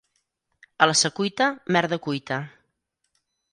A la Secuita, merda cuita.